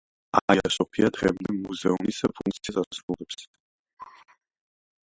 აია-სოფია დღემდე მუზეუმის ფუნქციას ასრულებს.